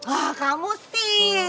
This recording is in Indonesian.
ah kamu sih